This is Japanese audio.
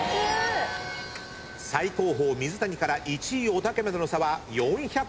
最後方水谷から１位おたけまでの差は４００ｍ。